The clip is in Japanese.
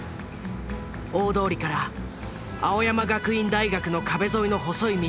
大通りから青山学院大学の壁沿いの細い道へと入る。